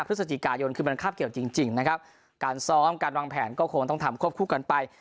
พฤศจิกายนคือมันคาบเกี่ยวจริงจริงนะครับการซ้อมการวางแผนก็คงต้องทำควบคู่กันไป